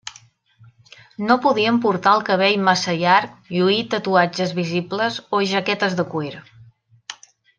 No podien portar el cabell massa llarg, lluir tatuatges visibles o jaquetes de cuir.